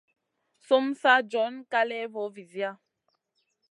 Sumu sa john kaléya vo vizia.